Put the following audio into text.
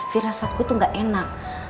fira saat gue tuh gak enak